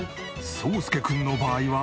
そうすけくんの場合は。